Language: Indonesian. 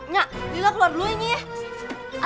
nya lila keluar dulu inya ya